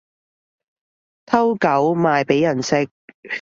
偷狗賣畀人食